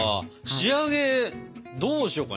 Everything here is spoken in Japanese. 仕上げどうしようかね？